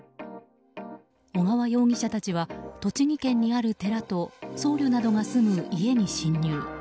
小川容疑者たちは、栃木県にある寺と僧侶などが住む家に侵入。